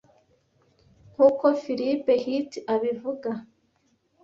Nk’uko Philip Hitti abivuga